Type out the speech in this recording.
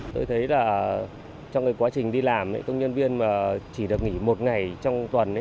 tôi thấy là trong cái quá trình đi làm công nhân viên mà chỉ được nghỉ một ngày trong tuần